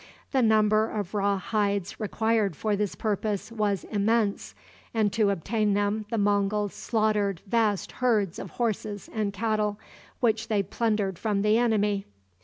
The number of raw hides required for this purpose was immense, and to obtain them the Monguls slaughtered vast herds of horses and cattle which they plundered from the enemy.